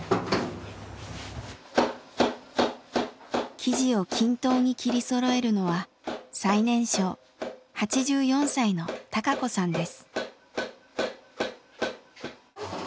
生地を均等に切りそろえるのは最年少８４歳の孝子さんです。